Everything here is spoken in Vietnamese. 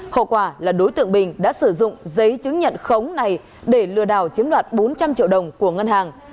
hậu quả là đối tượng bình đã sử dụng giấy chứng nhận khống này để lừa đảo chiếm đoạt bốn trăm linh triệu đồng của ngân hàng